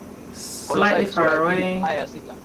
Kolosai sura ya pili aya ya sita